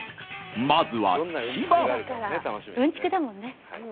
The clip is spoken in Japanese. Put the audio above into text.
まずは千葉。